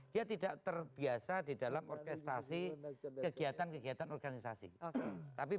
dia tidak terbiasa di dalam orkestrasi kegiatan kegiatan organisasi